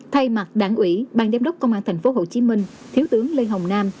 thay mặt đảng ủy ban giám đốc công an tp hcm thiếu tướng lê hồng nam